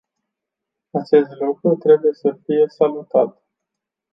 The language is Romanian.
Acest lucru trebuie să fie salutat.